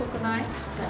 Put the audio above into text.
確かに。